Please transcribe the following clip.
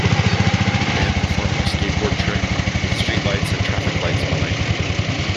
A man performing a skateboard trick, with streetlights and traffic lights behind him.